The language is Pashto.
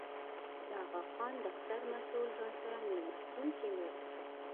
د اغاخان دفتر مسوول راسره مېلمستون کې و.